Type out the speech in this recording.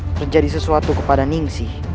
terjadi sesuatu kepada ning si